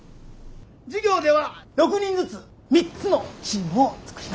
授業では６人ずつ３つのチームを作ります。